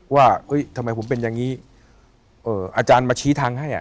ว่าทำไมผมเป็นอย่างนี้อาจารย์มาชี้ทางให้อ่ะ